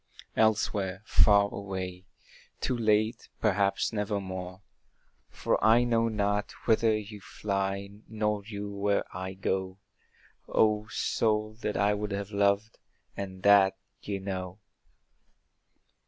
Elsewhere, far away ... too late, perhaps never more, For I know not whither you fly, nor you, where I go, O soul that I would have loved, and that you know!